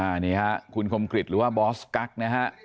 อันนี้ฮะคุณคมกริจหรือว่าบอสกั๊กนะฮะ